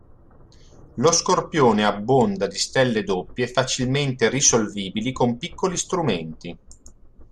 Lo Scorpione abbonda di stelle doppie facilmente risolvibili con piccoli strumenti.